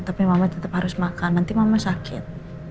tapi mama tetap harus makan nanti mama sakit